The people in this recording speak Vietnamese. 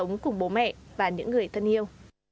sống cùng bố mẹ và những người thân yêu